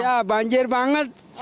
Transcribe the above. ya banjir banget